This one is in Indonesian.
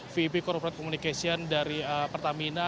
v p korporat komunikasi dari pertamina